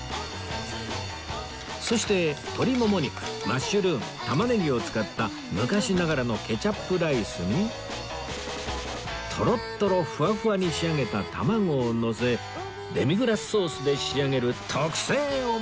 そして鶏もも肉マッシュルーム玉ねぎを使った昔ながらのケチャップライスにトロットロフワフワに仕上げた卵をのせデミグラスソースで仕上げる特製オムライス！